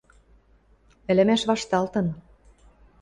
«Ӹлӹмӓш вашталтын.